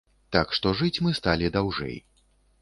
Так што жыць мы сталі даўжэй.